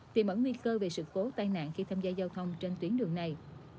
tìm ẩn nguy cơ về sự cố tai nạn khi tham gia giao thông trên tuyến đường này